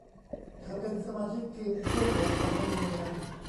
เธอเป็นสมาชิกทีมช่วยเหลือของโรงเรียน